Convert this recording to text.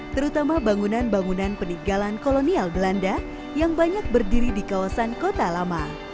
terutama bangunan bangunan peninggalan kolonial belanda yang banyak berdiri di kawasan kota lama